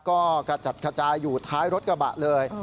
ก็กระจัดกระจายอยู่ท้ายรถกระบะเลย